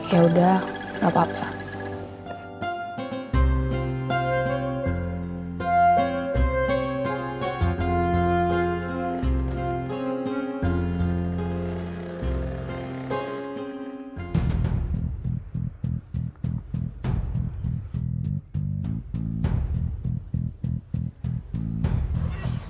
yaudah gak apa apa